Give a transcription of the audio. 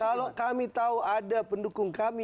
kalau kami tahu ada pendukung kami